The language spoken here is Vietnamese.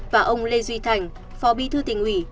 và ông lê duy thành phó bí thư tỉnh ủy